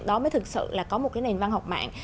đó mới thực sự là có một cái nền văn học mạng